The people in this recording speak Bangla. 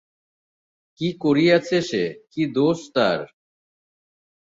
কী করিয়াছে সে, কী দোষ তার?